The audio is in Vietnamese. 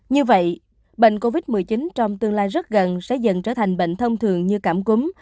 như vậy bệnh covid một mươi chín trong tương lai rất gần sẽ dần trở thành bệnh thông thường như cảm cúm